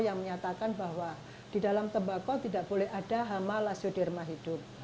yang menyatakan bahwa di dalam tembakau tidak boleh ada hama lasiodirma hidup